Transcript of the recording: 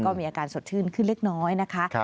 ก็มีอาการสดชื่นขึ้นเล็กน้อยนะคะ